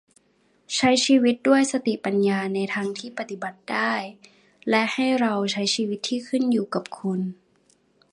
ใช้ชีวิตด้วยสติปัญญาในทางที่ปฏิบัติได้ และให้เราใช้ชีวิตที่ขึ้นอยู่กับคุณ